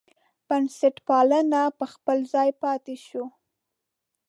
بنسټپالنه پر خپل ځای پاتې شوه.